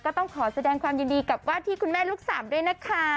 ต้องขอแสดงความยินดีกับว่าที่คุณแม่ลูกสามด้วยนะคะ